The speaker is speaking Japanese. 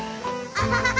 アハハハ！